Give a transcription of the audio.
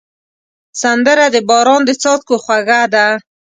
سندره د باران د څاڅکو خوږه ده